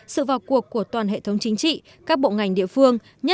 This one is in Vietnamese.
sự vào cuộc của toàn hệ thống chính trị các bộ ngành địa phương